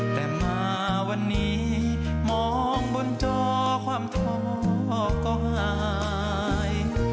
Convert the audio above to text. แต่มาวันนี้มองบนจอความท้อก็หาย